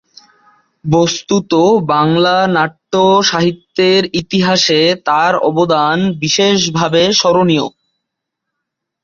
বস্তুত, বাংলা নাট্য-সাহিত্যের ইতিহাসে তার অবদান বিশেষভাবে স্মরণীয়।